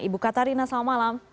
ibu katarina selamat malam